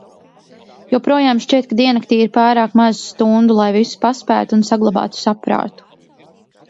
Joprojām šķiet, ka diennaktī ir pārāk maz stundu, lai visu paspētu un saglabātu saprātu.